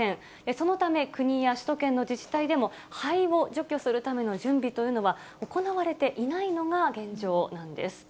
そのため、国や首都圏の自治体でも、灰を除去するための準備というのは、行われていないのが現状なんです。